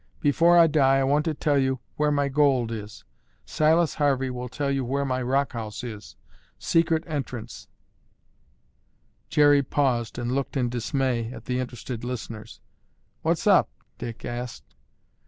"Before I die I want to tell you where my gold is. Silas Harvey will tell you where my rock house is. Secret entrance—" Jerry paused and looked in dismay at the interested listeners. "What's up?" Dick asked.